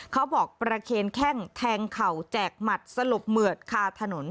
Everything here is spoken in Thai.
เขาบอกประเคนแข้งแทงเข่าแจกหมัดสลบเหมือดคาถนน